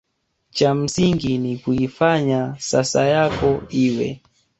cha msingi ni kuifanya sasa yako iwe